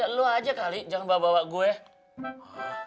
ya kamu saja kali jangan bawa bawa saya